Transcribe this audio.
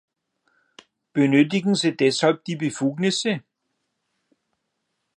Benötigen Sie deshalb die Befugnisse?